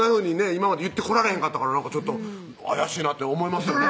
今まで言ってこられへんかったから怪しいなって思いますよね